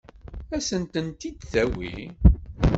Ad sent-tent-id-tawi?